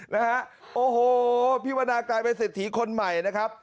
นะฮะโอ้โหพี่วรรณากลายเป็นสิทธิคนใหม่นะครับ